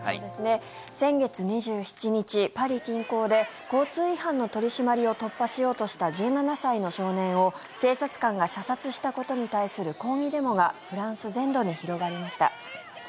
先月２７日、パリ近郊で交通違反の取り締まりを突破しようとした１７歳の少年を警察官が射殺したことに対する抗議デモがフランス全土に広がりました。